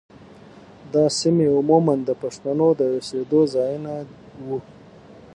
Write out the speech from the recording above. دا سیمې عموماً د پښتنو د اوسېدو ځايونه وو.